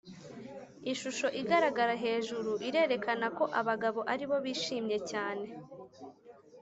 Ishusho igaragara hejuru irerekana ko abagabo aribo bishimye cyane